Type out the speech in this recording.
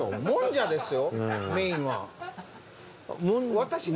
もんじゃですよメインは。